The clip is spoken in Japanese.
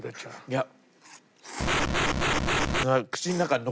いや。